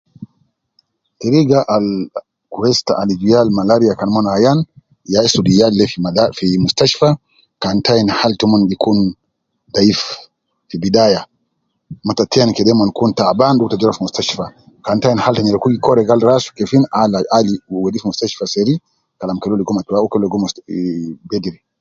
Hmm teriga Al kweis ta aliju yal malria kan umon Ayan ya sulu yal de fi mustashfa kan ta ainu Hal toumon dhaif fi bidaya mata ten kede umonkin taaban dukur te ja wedi fi mustashfa. Kan tayi. Hal ta nyereku gi Kore ras Hal you tabaan aju wedi fi mustashfa